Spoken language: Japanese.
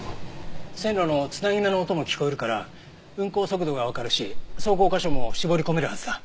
線路の繋ぎ目の音も聞こえるから運行速度がわかるし走行箇所も絞り込めるはずだ。